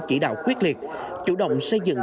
chỉ đạo quyết liệt chủ động xây dựng